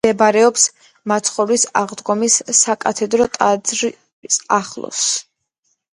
მდებარეობს მაცხოვრის აღდგომის საკათედრო ტაძარის ახლოს.